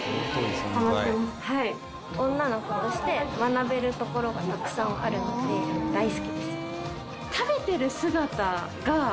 女の子として学べるところがたくさんあるので大好きです。